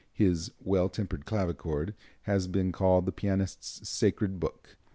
His "Well Tempered Clavichord" has been called the pianist's Sacred Book.